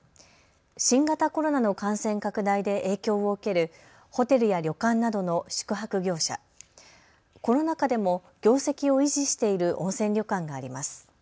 新型コロナの感染拡大で影響を受けるホテルや旅館などの宿泊業者、コロナ禍でも業績を維持している温泉旅館があります。